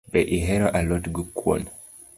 Be ihero a lot gi kuon